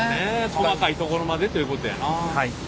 細かいところまでということやな。